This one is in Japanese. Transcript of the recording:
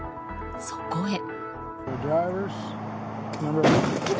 そこへ。